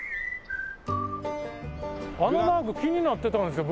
あのマーク気になってたんすよ